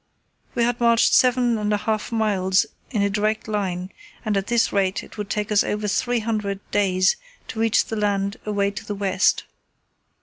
We had marched seven and a half miles in a direct line and at this rate it would take us over three hundred days to reach the land away to the west.